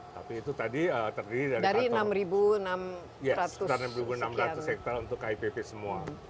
tapi itu tadi terdiri dari enam ribu enam ratus hektar untuk kipp semua